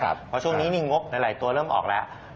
เพราะช่วงนี้งบหลายตัวเริ่มออกแล้ว